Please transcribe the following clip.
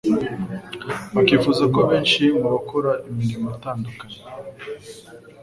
bakifuza ko benshi mu bakora imirimo itandukanye